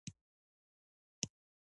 په یو نړیوال تنظیم کې راغونډې کړو.